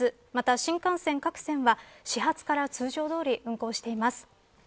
また、新幹線各線は始発から通常どおり運行しています。